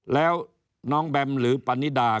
แล้วน้องแบมหรือปานิดา